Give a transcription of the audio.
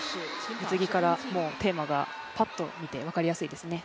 水着からテーマがぱっと見て分かりやすいですね。